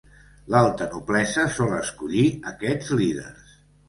L'alta noblesa sol escollir aquests líders.